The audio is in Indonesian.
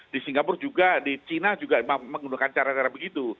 di singapura juga di china juga menggunakan cara cara begitu